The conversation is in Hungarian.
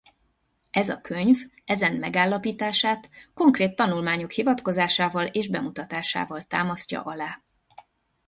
Ez a könyv ezen megállapítását konkrét tanulmányok hivatkozásával és bemutatásával támasztja alá.